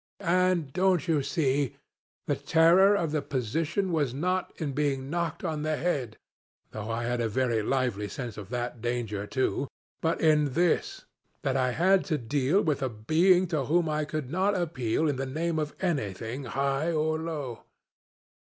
And, don't you see, the terror of the position was not in being knocked on the head though I had a very lively sense of that danger too but in this, that I had to deal with a being to whom I could not appeal in the name of anything high or low.